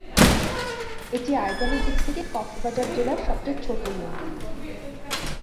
এটি আয়তনের দিক থেকে কক্সবাজার জেলার সবচেয়ে ছোট ইউনিয়ন।